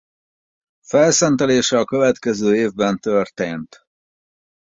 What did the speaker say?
Felszentelése a következő évben történt.